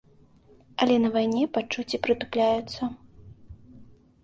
Але на вайне пачуцці прытупляюцца.